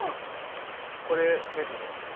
これメカじゃない。